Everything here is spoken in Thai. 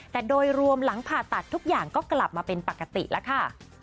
แต่โดยรวมหลังผ่าตัดทุกอย่างก็กลับมาเป็นปกติแล้วค่ะ